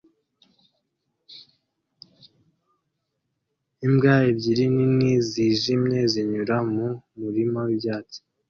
Imbwa ebyiri nini zijimye zinyura mu murima wibyatsi